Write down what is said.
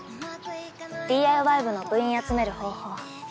ＤＩＹ部の部員集める方法。